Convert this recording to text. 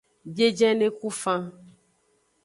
Biejene ku fan.